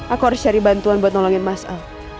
aku harus cari bantuan buat nolongin mas al